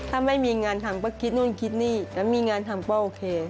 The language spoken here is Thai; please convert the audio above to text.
ถ้าไม่มีงานทำก็คิดนู่นคิดนี่แล้วมีงานทำก็โอเค